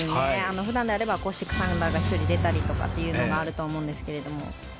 普段であれば６アンダーが１人出たりとかっていうのがあると思うんですけれども。